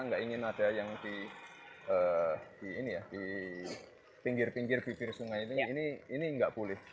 nggak ingin ada yang di ini ya di pinggir pinggir bibir sungai ini ini nggak boleh